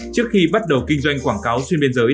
trước khi bắt đầu kinh doanh quảng cáo xuyên biên giới